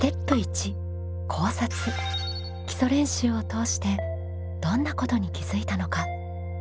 基礎練習を通してどんなことに気づいたのか？